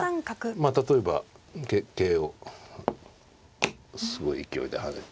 まあ例えば桂をすごい勢いで跳ねて。